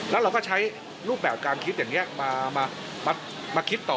แล้วเราก็ใช้รูปแบบการคิดอย่างนี้มาคิดต่อ